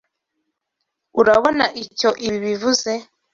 Urabona icyo ibi bivuze?